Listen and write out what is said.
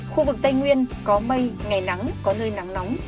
khu vực tây nguyên có mây ngày nắng có nơi nắng nóng